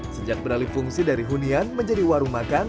sejak beralih fungsi dari hunian menjadi warung makan